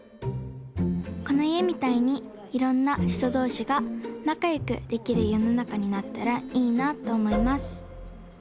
このいえみたいにいろんなひとどうしがなかよくできるよのなかになったらいいなとおもいます。